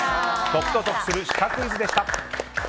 解くと得するシカクイズでした。